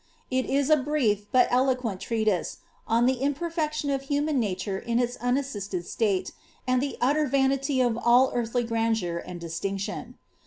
It is a brief but eloquent treatise, on the imperfection of human nature in its unassisted state, and the utter vanity of all earthly grandeur and distinction.